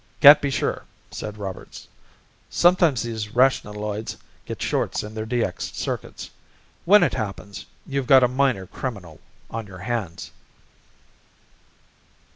"Can't be sure," said Roberts. "Sometimes these rationaloids get shorts in their DX circuits. When it happens you've got a minor criminal on your hands."